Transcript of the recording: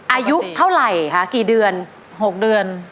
อายุเท่าไหร่คะกี่เดือน๖เดือน